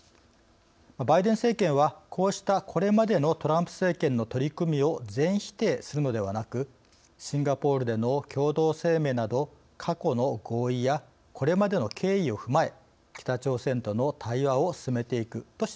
バイデン政権はこうしたこれまでのトランプ政権の取り組みを全否定するのではなくシンガポールでの共同声明など過去の合意やこれまでの経緯を踏まえ北朝鮮との対話を進めていくとしています。